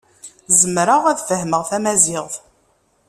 Zemreɣ ad fehmeɣ tamaziɣt.